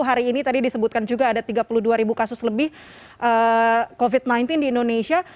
hari ini tadi disebutkan juga ada tiga puluh dua ribu kasus lebih covid sembilan belas di indonesia